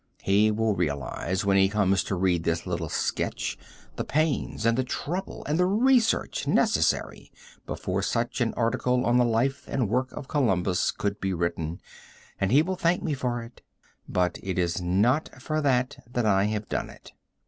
He will realize when he comes to read this little sketch the pains and the trouble and the research necessary before such an article on the life and work of Columbus could be written, and he will thank me for it; but it is not for that that I have done it.